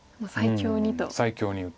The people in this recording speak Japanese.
最強にと。